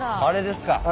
あれですか？